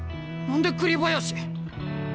何で栗林？